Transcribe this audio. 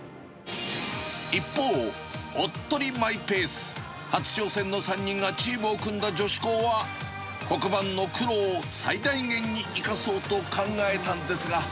一方、おっとりマイペース、初挑戦の３人がチームを組んだ女子高は、黒板の黒を最大限に生かそうと考えたんですが。